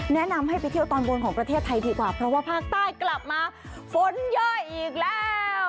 แนะนำให้ไปเที่ยวตอนบนของประเทศไทยดีกว่าเพราะว่าภาคใต้กลับมาฝนย่อยอีกแล้ว